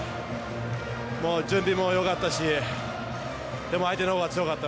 もう準備もよかったし、でも、相手のほうが強かった。